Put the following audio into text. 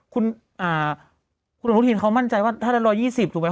คุณอ่านูธีนมั่นใจว่า๑๒๐ถูกไหม